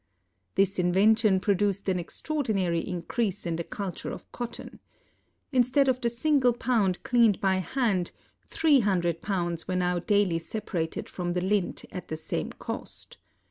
This invention produced an extraordinary increase in the cult ure of cotton. Instead of the single pound cleaned by hand, three hundred pounds were now daily separated from the lint at the same cost.